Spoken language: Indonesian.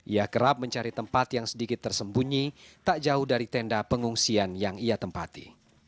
ia kerap mencari tempat yang sedikit tersembunyi tak jauh dari tenda pengungsian yang ia tempati